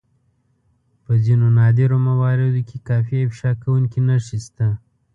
په ځينو نادرو مواردو کې کافي افشا کوونکې نښې شته.